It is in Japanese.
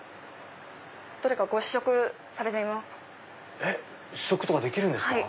どれかご試食されてみますか？